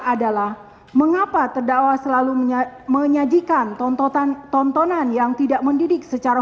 adalah mengapa terdakwa selalu menyajikan tontonan tontonan yang tidak mendidik secara